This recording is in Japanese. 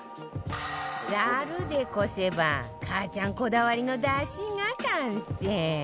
ザルでこせばかあちゃんこだわりの出汁が完成！